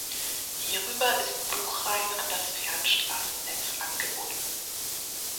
Hierüber ist Buchrain an das Fernstraßennetz angebunden.